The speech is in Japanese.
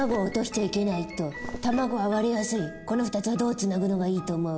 それじゃあこの２つはどうつなぐのがいいと思う？